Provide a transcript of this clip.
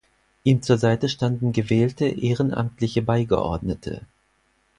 Ihm zur Seite standen gewählte, ehrenamtliche Beigeordnete.